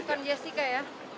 berarti bukan jessica ya